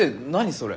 それ。